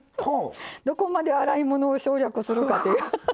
どこまで洗い物を省略するかという。